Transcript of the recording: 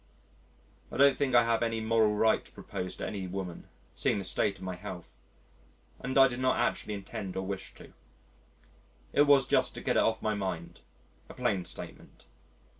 I don't think I have any moral right to propose to any woman seeing the state of my health and I did not actually intend or wish to.... It was just to get it off my mind a plain statement....